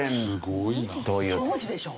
当時でしょ？